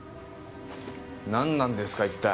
何なんですか一体。